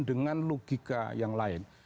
dengan logika yang lain